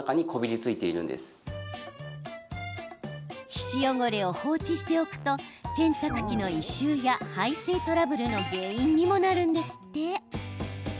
皮脂汚れを放置しておくと洗濯機の異臭や排水トラブルの原因にもなるんですって。